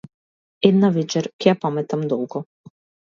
Една вечер ќе ја паметам долго.